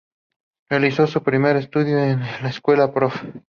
Realizó sus primeros estudios en la escuela Prof.